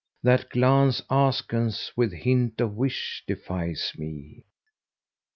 that glance askance with hint of wish defies me.'"